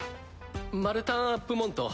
マルタン・アップモント。